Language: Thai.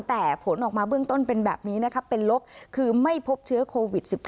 แต่ผลออกมาเบื้องต้นเป็นแบบนี้นะครับเป็นลบคือไม่พบเชื้อโควิด๑๙